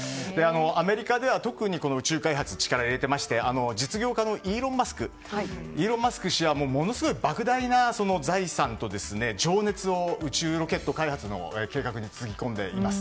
アメリカでは特に宇宙開発に力を入れていまして実業家のイーロン・マスク氏はものすごい莫大な財産と情熱を宇宙ロケット開発の計画につぎ込んでいます。